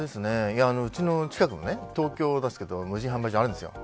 家の近くの、東京ですけど無人販売所があるんです。